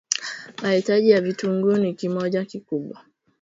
mahitaji ya vitunguu ni kimoja kikubwa